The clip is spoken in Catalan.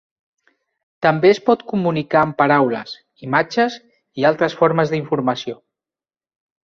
També es pot comunicar amb paraules, imatges, i altres formes d'informació.